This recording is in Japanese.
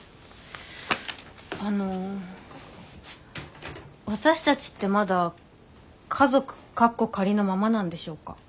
あの私たちってまだ家族カッコ仮のままなんでしょうか？